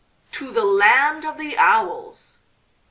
"To the Land of the Owls."